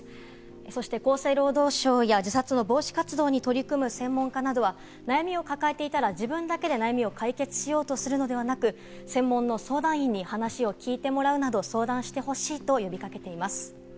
そして厚生労働省や、自殺の防止に取り組む専門家からは、自分だけで悩みを解決しようとするのではなく、専門の相談員に話を聞いてもらうなど、相談してほしいと呼び掛けています。